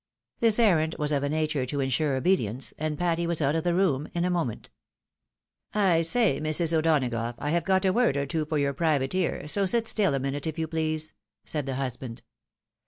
This errand was of a nature to insure obedience, and Patty was out of the room in a moment. " I say! Mrs. O'Donagough, I have got a word or two for your private ear, so sit stiU a minute, if you please," said the husband.